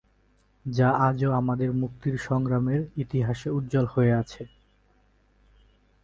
যা আজও আমাদের মুক্তির সংগ্রামের ইতিহাসে উজ্জ্বল হয়ে আছে।